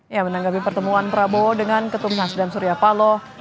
ya menanggapi pertemuan prabowo dengan ketum nasdem surya paloh